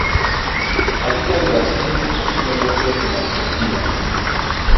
Habita en Brasil y posiblemente en Argentina.